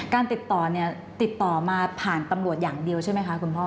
การติดต่อเนี่ยติดต่อมาผ่านตำรวจอย่างเดียวใช่ไหมคะคุณพ่อ